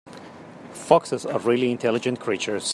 Foxes are really intelligent creatures.